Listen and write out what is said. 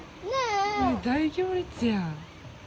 大行列やん。